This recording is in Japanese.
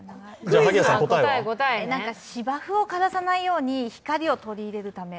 芝生を枯らさないように、光を取り入れるため？